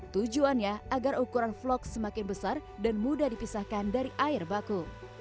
tujuannya agar ukuran vlog semakin besar dan mudah dipisahkan dari air baku